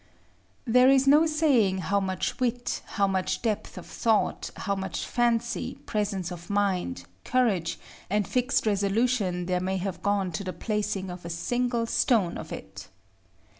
There is no saying how much wit, how much depth of thought, how much fancy, presence of mind, courage, and fixed resolution there may have gone to the placing of a single stone of it.